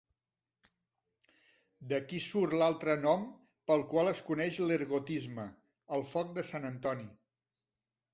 D'aquí surt l'altre nom pel qual es coneix l'ergotisme: el Foc de Sant Antoni.